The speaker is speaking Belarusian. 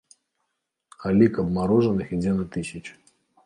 А лік абмарожаных ідзе на тысячы.